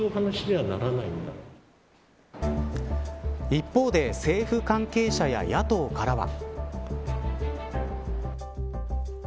一方で政府関係者や野党からは。